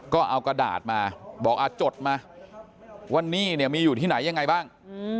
ก็เอากระดาษมาบอกจดมาว่านี่เนี่ยมีอยู่ที่ไหนยังไงบ้าง